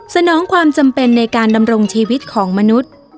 นองความจำเป็นในการดำรงชีวิตของมนุษย์